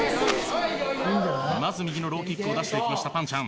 まず右のローキックを出していきましたぱんちゃん。